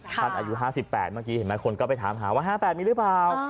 อายุ๕๘เมื่อกี้เห็นไหมคนก็ไปถามหาว่า๕๘มีหรือเปล่า